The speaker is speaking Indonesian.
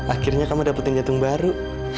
akhirnya kamu dapetin jantung baru